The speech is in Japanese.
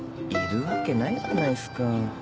いるわけないじゃないすか。